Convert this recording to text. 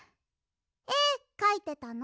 えかいてたの？